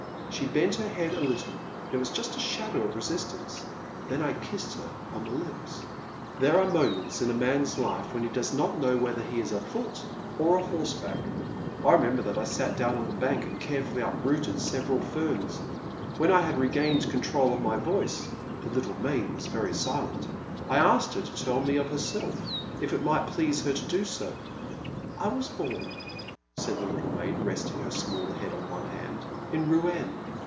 She bent her head a little, — there was just a shadow of resistance, — then I kissed her on the lips. There are moments in a man's life when he 958837A lOO The Silent Land. does not know whether he is a foot or a horse back. I remember that I sat down on the bank and carefully uprooted several ferns. When I had regained control of my voice,— the little maid was very silent,— I asked her to tell me of her self, if it might please her to do so. I was bom, said the little maid, resting her small head on one hand, ''in Rouen.